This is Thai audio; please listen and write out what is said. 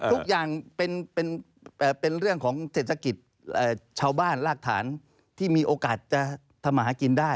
ทุกอย่างเป็นเรื่องของเศรษฐกิจชาวบ้านรากฐานที่มีโอกาสจะทำมาหากินได้